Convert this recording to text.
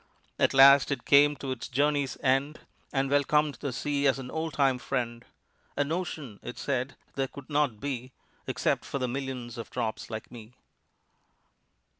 At last it came to its journey's end, And welcomed the sea as an old time friend. "An ocean," it said, "there could not be Except for the millions of drops like me."